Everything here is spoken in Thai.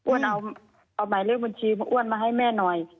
อ้วนเอาหมายเรื่องบัญชีอ้วนมาให้แม่หน่อย